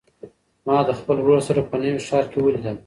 ما د خپل ورور سره په نوي ښار کې ولیدل.